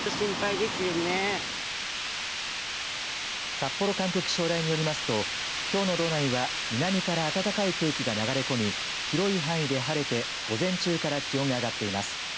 札幌管区気象台によりますときょうの道内は南から暖かい空気が流れ込み広い範囲で晴れて午前中から気温が上がっています。